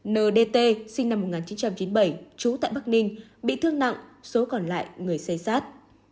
ndt sinh năm một nghìn chín trăm chín mươi bảy trú tại bắc ninh bị thương nặng số còn lại người xây sát